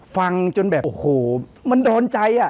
ฟังจนแบบโอ้โหมันโดนใจอ่ะ